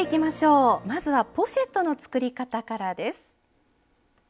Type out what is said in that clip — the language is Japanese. まずはポシェットの作り方からです。